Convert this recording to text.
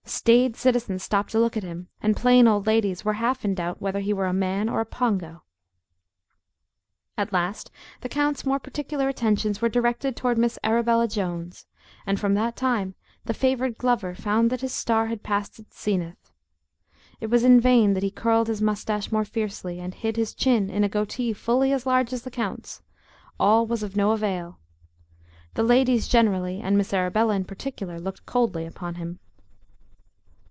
Staid citizens stopped to look at him, and plain old ladies were half in doubt whether he were a man or a pongo. At last the count's more particular attentions were directed toward Miss Arabella Jones, and from that time the favoured Glover found that his star had passed its zenith. It was in vain that he curled his moustache more fiercely, and hid his chin in a goatee fully as large as the count's; all was of no avail. The ladies generally, and Miss Arabella in particular, looked coldly upon him.